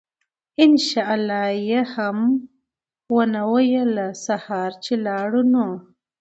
إن شاء الله ئي هم ونه ويله!! سهار چې لاړو نو